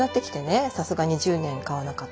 さすがに１０年買わなかったりすると。